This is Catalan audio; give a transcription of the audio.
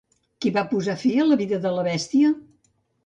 Qui va posar fi a la vida de la bèstia?